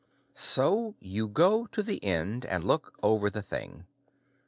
So you go to the end and look over the thing.